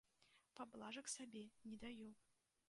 Паблажак сабе не даю.